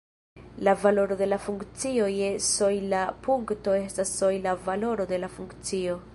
La valoro de la funkcio je sojla punkto estas sojla valoro de la funkcio.